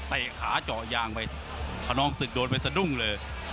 ขาเจาะยางไปขนองศึกโดนไปสะดุ้งเลย